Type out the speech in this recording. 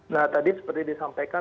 nah tadi seperti disampaikan